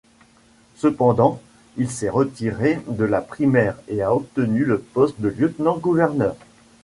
Cependant, il s'est retiré de la primaire et a obtenu le poste de lieutenant-gouverneur.